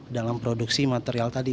dalam produksi material tadi